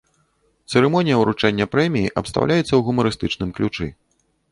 Цырымонія ўручэння прэміі абстаўляецца ў гумарыстычным ключы.